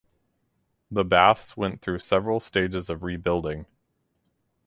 The baths went through several stages of rebuilding.